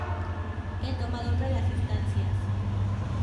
El domador de las estancias.